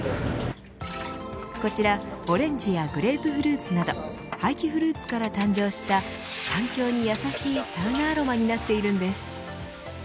こちら、オレンジやグレープフルーツなど廃棄フルーツから誕生した環境にやさしいサウナアロマになっているんです。